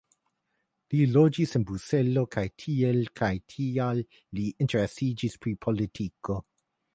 Li loĝis en Bruselo kaj tiel kaj tial li interesiĝis pri politiko.